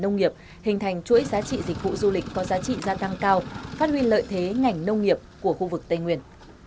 nông nghiệp hình thành chuỗi giá trị dịch vụ du lịch có giá trị gia tăng cao phát huy lợi thế ngành nông nghiệp của khu vực tây nguyên